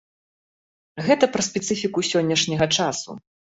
Гэта пра спецыфіку сённяшняга часу.